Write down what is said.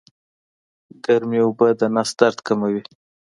ګرمې اوبه د نس درد کموي